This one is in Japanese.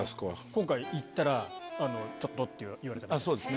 今回行ったら「ちょっと」って言われてます。